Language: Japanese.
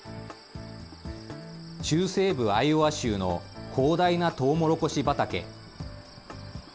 中西部アイオワ州の広大なとうもろこし畑。